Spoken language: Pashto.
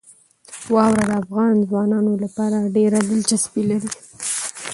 واوره د افغان ځوانانو لپاره ډېره دلچسپي لري.